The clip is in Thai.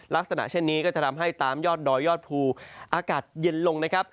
ลักษณะเช่นนี้ก็จะทำให้ตามยอดดอยยอดภูอากาศเย็นลงนะครับ